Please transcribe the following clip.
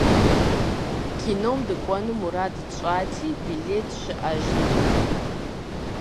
Кином дыкӀуэну мурад тщӀати, билет щыӀэжтэкъым.